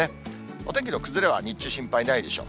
お天気の崩れは日中心配ないでしょう。